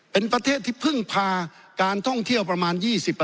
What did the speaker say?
เป็นประเทศที่พึ่งพาการท่องเที่ยวประมาณ๒๐